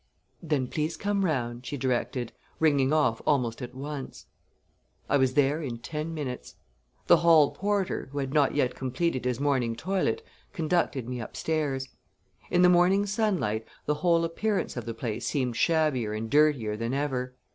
"Then please come round," she directed, ringing off almost at once. I was there in ten minutes. The hall porter, who had not yet completed his morning toilet, conducted me upstairs. In the morning sunlight the whole appearance of the place seemed shabbier and dirtier than ever.